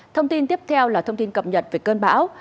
thông tin tiếp theo là thông tin cập nhật về cơn bão